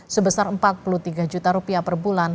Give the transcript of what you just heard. sebesar empat puluh tiga juta rupiah per bulan